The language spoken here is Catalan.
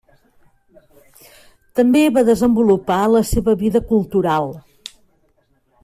També va desenvolupar la seva vida cultural.